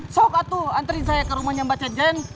sok atu anterin saya ke rumahnya mbak cen cen